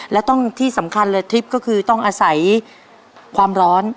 และต้องที่สำคัญเลยทริปก็คือต้องอาศัยความร้อน